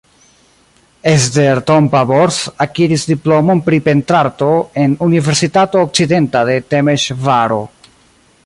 Eszter Tompa-Bors akiris diplomon pri pentrarto en Universitato Okcidenta de Temeŝvaro.